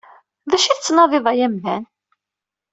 D acu i tettnadiḍ ay amdan?